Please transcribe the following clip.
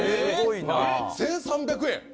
１３００円！